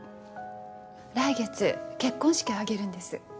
来月、結婚式を挙げるんです。